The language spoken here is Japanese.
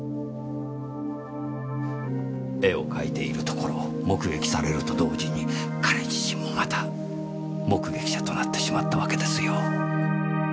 絵を描いているところを目撃されると同時に彼自身もまた目撃者となってしまったわけですよ。